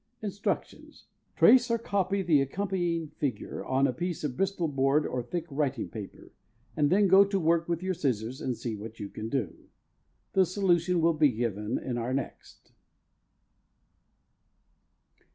INSTRUCTIONS. Trace or copy the accompanying figure on a piece of Bristol board or thick writing paper, and then go to work with your scissors and see what you can do. The solution will be given in our next.